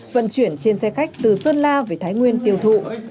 vận chuyển trên xe khách từ sơn la về thái nguyên tiêu thụ